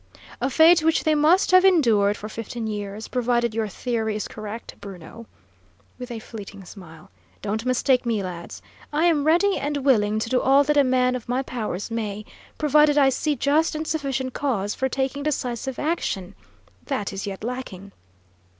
"A fate which they must have endured for fifteen years, provided your theory is correct, Bruno," with a fleeting smile. "Don't mistake me, lads. I am ready and willing to do all that a man of my powers may, provided I see just and sufficient cause for taking decisive action. That is yet lacking.